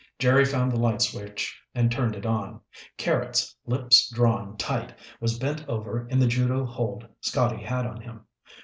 Jerry found the light switch and turned it on. Carrots, lips drawn tight, was bent over in the judo hold Scotty had on him.